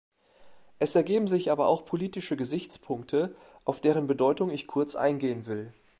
Es ergeben sich aber auch politische Gesichtspunkte, auf deren Bedeutung ich kurz eingehen will.